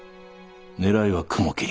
狙いは雲霧。